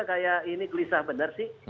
kayak ini gelisah benar sih